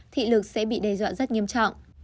thì lực sẽ bị đe dọa rất nghiêm trọng